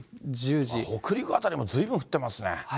北陸辺りもずいぶん降ってますね。